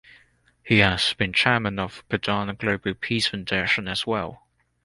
He has been Chairman of Perdana Global Peace Foundation as well.